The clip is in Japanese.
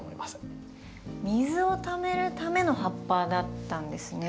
水をためるための葉っぱだったんですね。